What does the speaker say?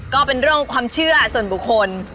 ก็เป็นเรื่องความเชื่อส่วนบุคคล